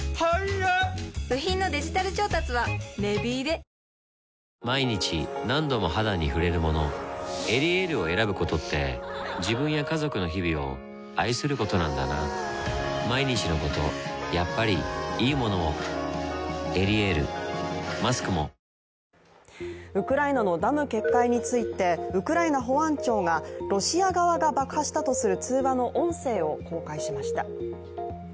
新「ブローネ泡カラー」「ブローネ」毎日何度も肌に触れるもの「エリエール」を選ぶことって自分や家族の日々を愛することなんだなぁ「エリエール」マスクもウクライナのダム決壊についてウクライナ保安庁がロシア側が爆破したとする通話の音声を公開しました。